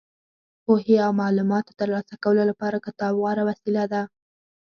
پوهې او معلوماتو ترلاسه کولو لپاره کتاب غوره وسیله ده.